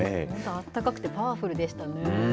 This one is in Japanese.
あったかくて、パワフルでしたね。